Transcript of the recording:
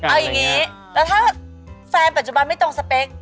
ถ้าแฟนปัจจุบันไม่ตรงสเต็ก